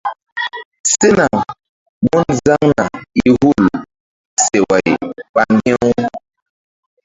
Sena mun zaŋna i hul seway ɓ ŋgi̧-u.